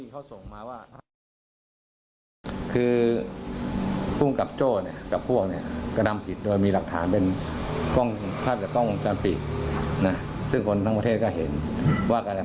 คือภูมิกับโจ้เนี่ยกับพวกเนี่ย